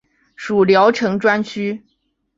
属聊城专区。